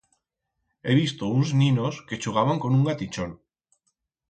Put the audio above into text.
He visto uns ninos que chugaban con un gatichón.